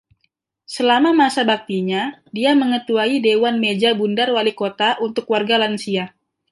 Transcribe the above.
Selama masa baktinya, dia mengetuai dewan Meja Bundar Wali Kota untuk Warga Lansia.